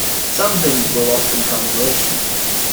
Some things were lost in translation.